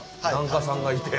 檀家さんがいて。